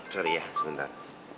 sorry ya sebentar